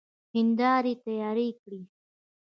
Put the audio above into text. هيندارې تيارې کړئ!